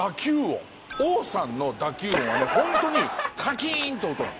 王さんの打球音はホントにカキーンって音なの。